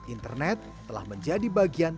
internet telah menjadi bagian